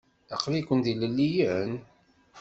Aql-iken d ilelliyen?